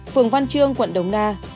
phường văn trương quận đồng na